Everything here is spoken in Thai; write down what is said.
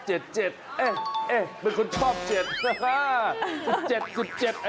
หย่เช่นุ๙๙๙